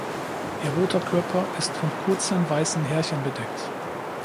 Ihr roter Körper ist von kurzen weißen Härchen bedeckt.